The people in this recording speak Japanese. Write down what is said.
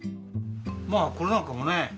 まあこれなんかもね